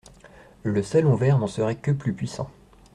Le salon vert n'en serait que plus puissant.